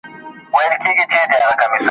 که وفا که یارانه ده په دې ښار کي بېګانه ده ,